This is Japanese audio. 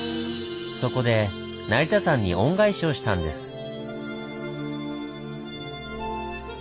そこで成田山に恩返しをしたんです。